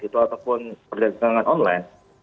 itu ataupun perdagangan online